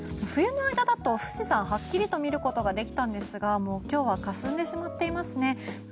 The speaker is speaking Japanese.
冬の間だと富士山、はっきりと見ることができたんですが今日はかすんでしまっていますね。